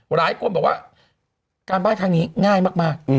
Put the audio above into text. หลายคนบอกว่าการบ้านทางนี้ง่ายมาก